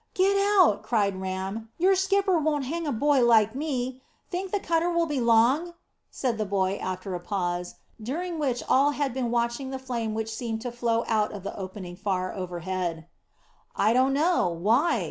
"Get out!" cried Ram. "Your skipper wouldn't hang a boy like me. Think the cutter will be long?" said the boy after a pause, during which all had been watching the flame which seemed to flow out of the opening far overhead. "I don't know; why?"